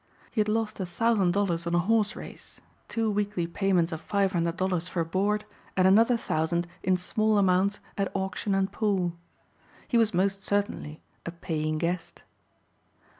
He had lost a thousand dollars on a horse race, two weekly payments of five hundred dollars for board and another thousand in small amounts at auction and pool. He was most certainly a paying guest.